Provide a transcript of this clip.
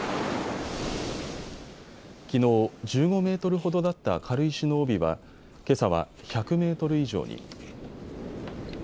きのう、１５メートルほどだった軽石の帯はけさは１００メートル以上に。